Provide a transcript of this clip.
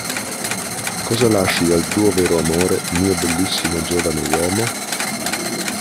Cosa lasci al tuo vero amore, mio bellissimo giovane uomo?